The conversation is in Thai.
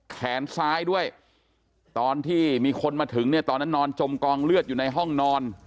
แขนซ้ายด้วยตอนที่มีคนมาถึงเนี่ยตอนนั้นนอนจมกองเลือดอยู่ในห้องนอน